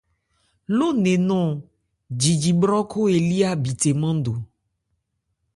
Ló nne nɔ́n jiji bhrɔ́khó elí ábithe nmándo.